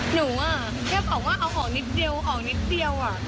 หนูะเพราะว่าออกนิดเดี๊ยวออกนิดเดียวอ่ะ